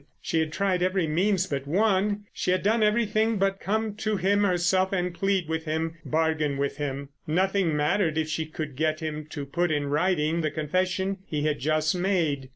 She had tried every means but one. She had done everything but come to him herself and plead with him, bargain with him. Nothing mattered if she could get him to put in writing the confession he had just made.